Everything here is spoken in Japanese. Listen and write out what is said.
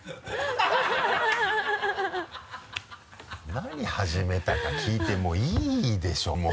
何始めたか聞いてもういいでしょもう。